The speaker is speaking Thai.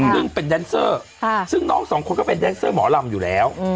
ซึ่งเป็นแดนเซอร์ซึ่งน้องสองคนก็เป็นแดนเซอร์หมอลำอยู่แล้ว